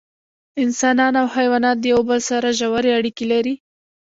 انسانان او حیوانات د یو بل سره ژوی اړیکې لري